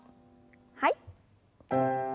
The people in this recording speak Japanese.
はい。